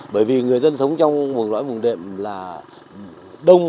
bởi vì người dân sống trong vùng lõi vùng đệm là đông